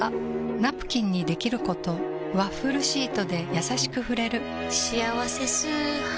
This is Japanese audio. ナプキンにできることワッフルシートでやさしく触れる「しあわせ素肌」